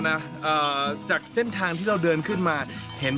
เอ่อจากเส้นทางที่เราเดินขึ้นมาเห็น